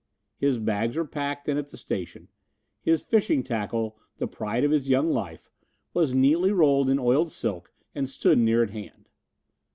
His bags were packed and at the station. His fishing tackle, the pride of his young life, was neatly rolled in oiled silk and stood near at hand.